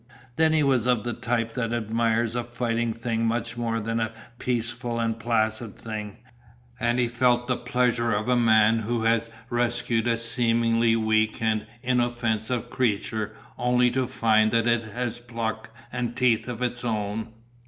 Then he was of the type that admires a fighting thing much more than a peaceful and placid thing, and he felt the pleasure of a man who has rescued a seemingly weak and inoffensive creature only to find that it has pluck and teeth of its own.